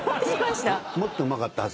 もっとうまかったはずなのに。